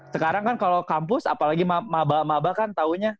sekarang kan kalau kampus apalagi maba maba kan taunya